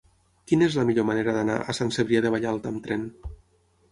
Quina és la millor manera d'anar a Sant Cebrià de Vallalta amb tren?